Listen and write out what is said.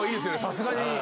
さすがに。